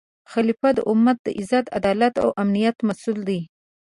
خلیفه د امت د عزت، عدالت او امنیت مسؤل دی